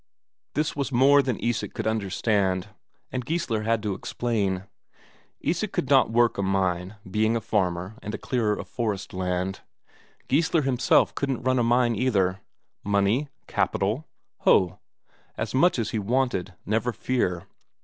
This was more than Isak could understand, and Geissler had to explain. Isak could not work a mine, being a farmer and a clearer of forest land; Geissler himself couldn't run a mine either. Money, capital? Ho, as much as he wanted, never fear!